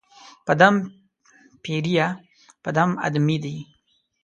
په دم پېریه، په دم آدمې دي